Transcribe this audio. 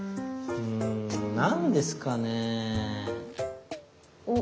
うん何ですかね。